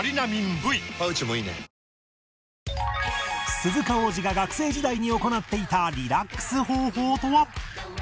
鈴鹿央士が学生時代に行っていたリラックス方法とは？